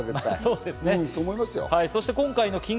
絶対そう思いますよ。